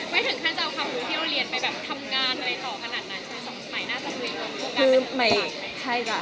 ไม่ถึงถ้าจะเอาคำหรูที่เราเรียนไปทำงานอะไรต่อขนาดนั้นสมมุติน่าจะคุยกับโรงการในโรงการไหน